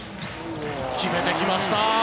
決めてきました。